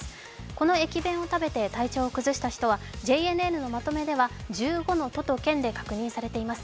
この駅弁を食べて体調を崩した人はＪＮＮのまとめでは１５の都と県で確認されています。